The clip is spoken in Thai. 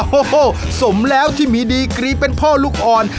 โอ้โหสมแล้วที่มีดีกรีเป็นพ่อลูกอ่อน